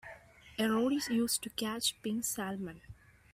A rod is used to catch pink salmon.